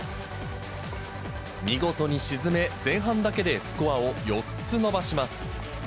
見事に沈め、前半だけでスコアを４つ伸ばします。